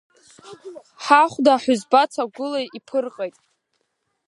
Ҳахәда ҳәызба цагәыла иԥылҟеит!